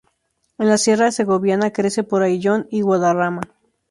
En la sierra segoviana crece por Ayllón y Guadarrama.